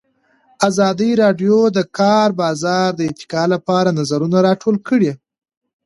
ازادي راډیو د د کار بازار د ارتقا لپاره نظرونه راټول کړي.